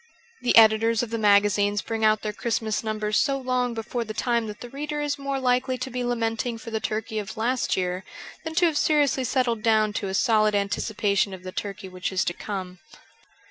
The editors of the magazines bring out their Christmas numbers so long before the time that the reader is more likely to be lamenting for the turkey of last year than to have seriously settled down to a solid anticipation of the turkey which is to come.